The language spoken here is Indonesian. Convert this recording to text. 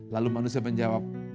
lalu manusia menjawab